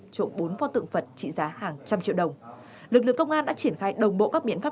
trộm bốn pho tượng phật trị giá hàng trăm triệu đồng lực lượng công an đã triển khai đồng bộ các biện pháp